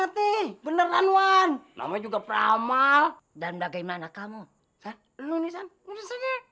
sebenarnya juga peramal dan bagaimana kamu disanaday